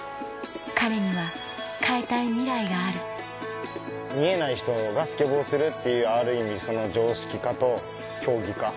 彼には変えたいミライがある見えない人がスケボーをするっていうある意味その常識化と競技化。